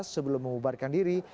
sebelum memubarkan diri